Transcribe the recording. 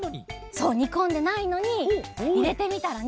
そう！にこんでないのにいれてみたらね